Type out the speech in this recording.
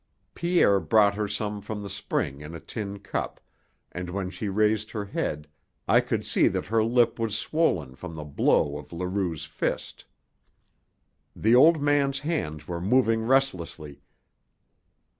Pierre brought her some from the spring in a tin cup, and when she raised her head I could see that her lip was swollen from the blow of Leroux's fist. The old man's hands were moving restlessly.